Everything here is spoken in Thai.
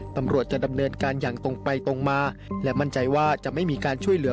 ตำรวจจะดำเนินการอย่างตรงไปตรงมาและมั่นใจว่าจะไม่มีการช่วยเหลือ